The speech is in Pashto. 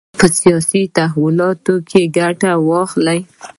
په سیاسي تحولاتو کې ګټه واخلي.